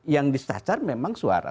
yang disacar memang suara